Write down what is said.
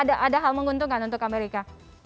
ada hal menguntungkan untuk amerika